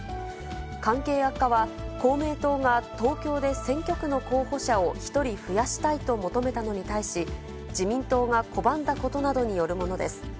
関係悪化は公明党が東京で選挙区の候補者を１人増やしたいと求めたのに対し、自民党が拒んだことなどによるものです。